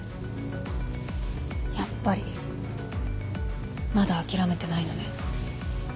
やっぱりまだ諦めてないのね。